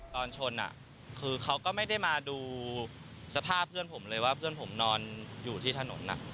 ตอนชนคือเขาก็ไม่ได้มาดูสภาพเพื่อนผมเลยว่าเพื่อนผมนอนอยู่ที่ถนน